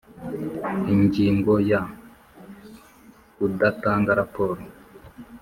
Ingingo ya Kudatanga raporo